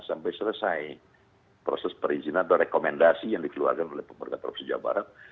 sampai selesai proses perizinan atau rekomendasi yang dikeluarkan oleh pemerintah provinsi jawa barat